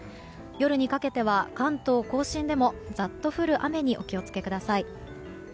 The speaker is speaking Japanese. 夜にかけては関東・甲信でも、ざっと降る雨にお気を付けください。